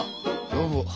どうも。